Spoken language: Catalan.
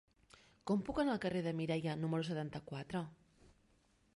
Com puc anar al carrer de Mireia número setanta-quatre?